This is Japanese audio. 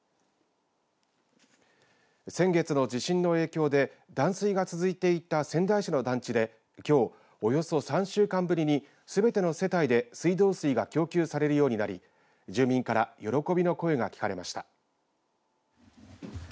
先月の地震の影響で断水が続いていた仙台市の団地できょうおよそ３週間ぶりにすべての世帯で水道水が供給されるようになり住民から喜びの声が聞かれました。